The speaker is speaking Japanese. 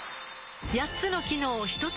８つの機能をひとつに